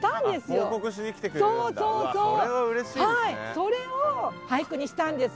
それを俳句にしたんです。